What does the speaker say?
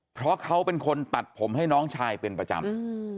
เพราะเขาเป็นคนตัดผมให้น้องชายเป็นประจำ